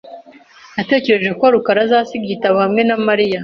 Natekereje ko rukara azasiga igitabo hamwe na Mariya .